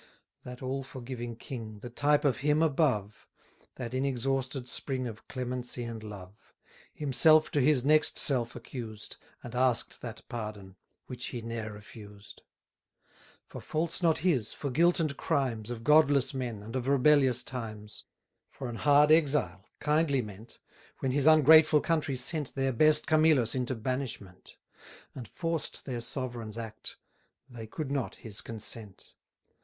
That all forgiving king, The type of Him above, That inexhausted spring Of clemency and love; Himself to his next self accused, And asked that pardon which he ne'er refused: For faults not his, for guilt and crimes Of godless men, and of rebellious times: For an hard exile, kindly meant, When his ungrateful country sent Their best Camillus into banishment: And forced their sovereign's act they could not his consent.